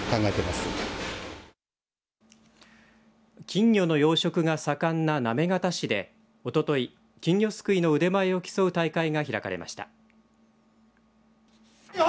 金魚の養殖が盛んな行方市でおととい、金魚すくいの腕前を競う大会が開かれました。